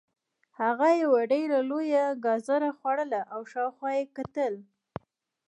هغه یوه ډیره لویه ګازره خوړله او شاوخوا یې کتل